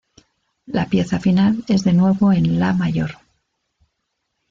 La pieza final es de nuevo en la mayor.